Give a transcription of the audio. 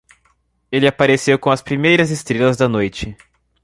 Ele apareceu com as primeiras estrelas da noite.